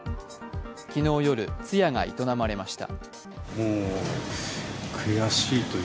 昨日夜、通夜が営まれました。